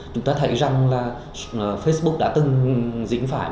chúng ta thấy rằng là facebook đã từng dính phải